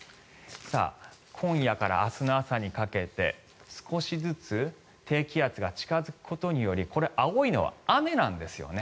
今夜から明日の朝にかけて少しずつ低気圧が近付くことによりこれ、青いのは雨なんですよね。